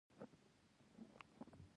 د مومن خان عقل لنډ و.